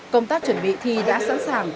công tác chuẩn bị thi đã sẵn sàng